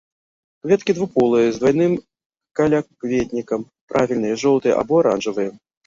Кветкі двухполыя, з двайным калякветнікам, правільныя, жоўтыя або аранжавыя.